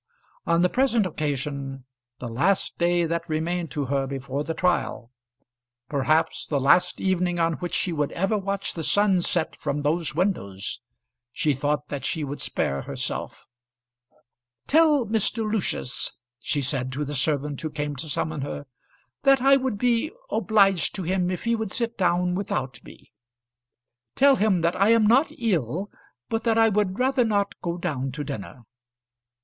On the present occasion, the last day that remained to her before the trial perhaps the last evening on which she would ever watch the sun set from those windows, she thought that she would spare herself. "Tell Mr. Lucius," she said to the servant who came to summon her, "that I would be obliged to him if he would sit down without me. Tell him that I am not ill, but that I would rather not go down to dinner!"